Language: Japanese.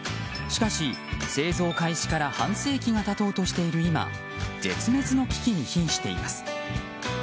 しかし、製造開始から半世紀が経とうとしている今絶滅の危機にひんしています。